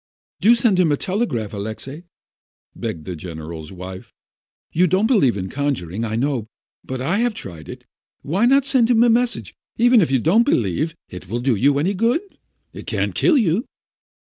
"Do send him a telegram, Alexei!" begged the general's wife. "You don't believe in conjuring, I know, but I have tried it. Why not send him the mes sage, even if you don't believe it will do you any good? It can't kill you!"